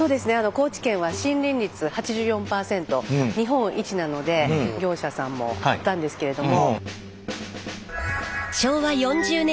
高知県は森林率８４％日本一なので業者さんもあったんですけれども。